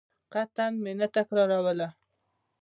قطعاً مې نه درتکراروله.